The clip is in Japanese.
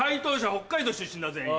北海道出身だ全員。